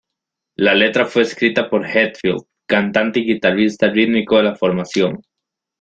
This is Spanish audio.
La letra fue escrita por Hetfield, cantante y guitarrista rítmico de la formación.